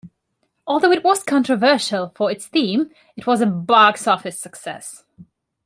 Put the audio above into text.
Although it was controversial for its theme, it was a box-office success.